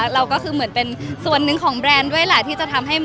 เรามีเป็นส่วนหนึ่งของแบรนด์ที่จะทำให้